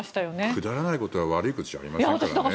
くだらないことは悪いことじゃありませんからね。